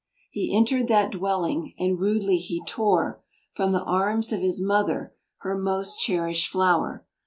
He entered that dwelling, and rudely he tore From the arms of his mother, her most cherished flower.